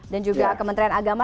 dan juga kementerian agama